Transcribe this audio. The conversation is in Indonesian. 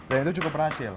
nah itu cukup berhasil